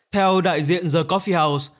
theo đại diện the coffee house